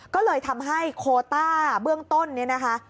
ก็เลยทำให้โคต้าเบื้องต้นเนี่ยนะคะ